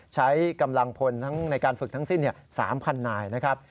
ใช้กำลังพลทั้งในการฝึกทั้งสิ้น๓๐๐นายนะครับ